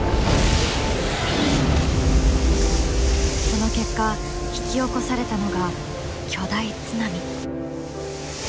その結果引き起こされたのが巨大津波。